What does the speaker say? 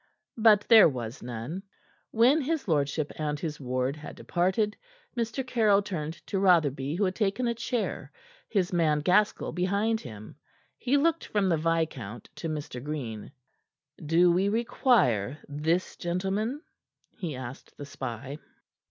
But there was none. When his lordship and his ward had departed, Mr. Caryll turned to Rotherby, who had taken a chair, his man Gaskell behind him. He looked from the viscount to Mr. Green. "Do we require this gentleman?" he asked the spy.